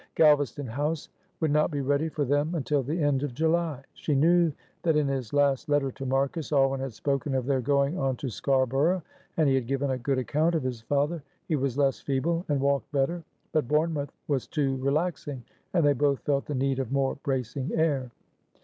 Galvaston House would not be ready for them until the end of July. She knew that in his last letter to Marcus, Alwyn had spoken of their going on to Scarborough. He had given a good account of his father, he was less feeble and walked better; but Bournemouth was too relaxing, and they both felt the need of more bracing air.